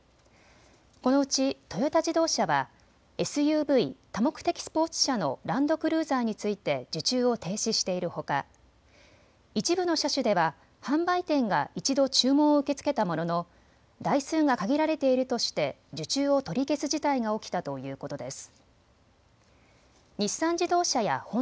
このうちトヨタ自動車はＳＵＶ・多目的スポーツ車のランドクルーザーについて受注を停止しているほか一部の車種では販売店が一度注文を受け付けたものの台数が限られているとして受注を取り消す事態が起きたということです。